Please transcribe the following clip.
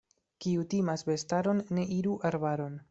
Kiu timas bestaron, ne iru arbaron.